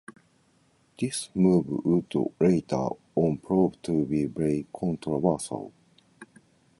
This move would later on prove to be very controversial.